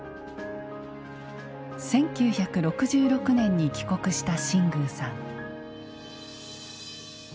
１９６６年に帰国した新宮さん。